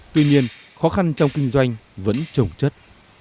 tuy nhiên khó khăn trong kinh doanh vẫn trồng chất